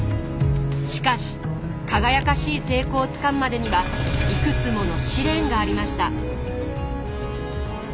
しかし輝かしい成功をつかむまでにはいくつもの試練がありました。